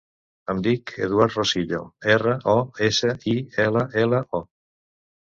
Em dic Eduard Rosillo: erra, o, essa, i, ela, ela, o.